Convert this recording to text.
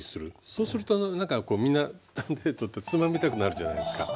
そうすると何かみんな手に取ってつまみたくなるじゃないですか。